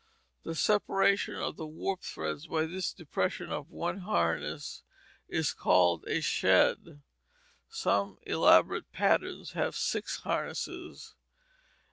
The separation of the warp threads by this depression of one harness is called a shed. Some elaborate patterns have six harnesses.